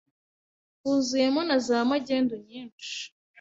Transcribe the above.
huzuyemo na za magendu nyinshi